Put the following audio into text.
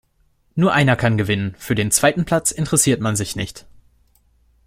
Nur einer kann gewinnen. Für den zweiten Platz interessiert man sich nicht.